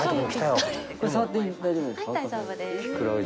はい大丈夫です。